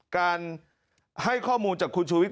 การให้ข้อมูลจากคุณชูวิท